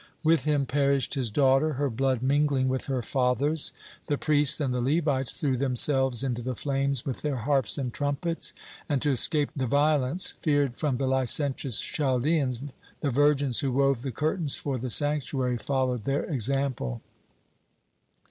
With him perished his daughter, her blood mingling with her father's. The priests and the Levites threw themselves into the flames with their harps and trumpets, and, to escape the violence feared from the licentious Chaldeans, (29) the virgins who wove the curtains for the sanctuary followed their example.